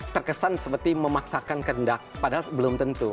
terkesan seperti memaksakan kendak padahal belum tentu